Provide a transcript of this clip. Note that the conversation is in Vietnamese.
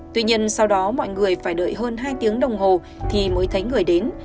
tuy nhiên sau đó mọi người phải đợi hơn hai tiếng đồng hồ thì mới thấy người đến